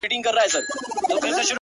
• هم داسي ستا دا گل ورين مخ ـ